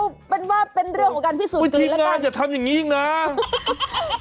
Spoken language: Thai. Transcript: กดเองไม่เอาได้งานอย่าทำแบบนี้ยิ่งหนัง